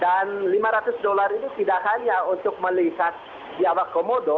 dan lima ratus dolar ini tidak hanya untuk melihat di bawah komodo